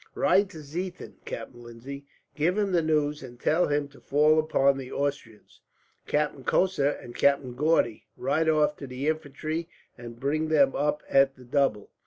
"Ride to Ziethen, Captain Lindsay. Give him the news, and tell him to fall upon the Austrians. "Captain Cosser and Captain Gaudy, ride off to the infantry and bring them up at the double.